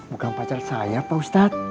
bukan pacar saya pak ustadz